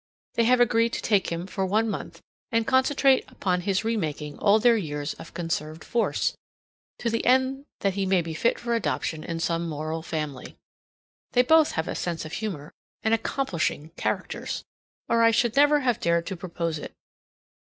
They have agreed to take him for one month and concentrate upon his remaking all their years of conserved force, to the end that he may be fit for adoption in some moral family. They both have a sense of humor and ACCOMPLISHING characters, or I should never have dared to propose it.